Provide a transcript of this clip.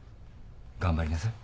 頑張りなさい。